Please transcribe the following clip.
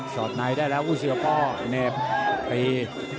ชอตไนท์ได้แล้วผู้เชื้อพ่อเนฟตี